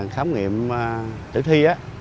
khám nghiệm tử thi